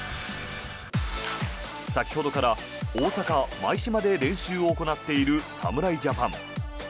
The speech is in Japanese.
先ほどから、大阪で練習を行っている侍ジャパン。